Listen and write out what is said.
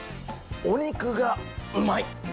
お肉がうまい。